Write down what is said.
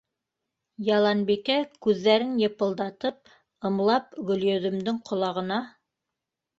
Яланбикә күҙҙәрен йыпылдатып ымлап Гөлйөҙөмдөң ҡолағына: